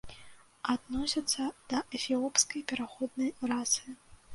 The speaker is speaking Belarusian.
Адносяцца да эфіопскай пераходнай расы.